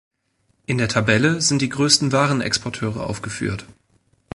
In der Tabelle sind die größten Waren-Exporteure aufgeführt.